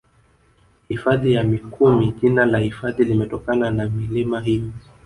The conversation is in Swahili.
Hifadhi ya Mikumi jina la hifadhi limetokana na milima hiyo